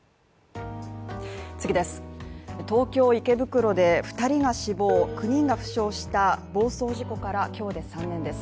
東京・池袋で２人が死亡、９人が負傷した暴走事故から今日で３年です